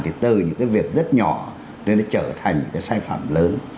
thì từ những cái việc rất nhỏ nó trở thành những cái sai phạm lớn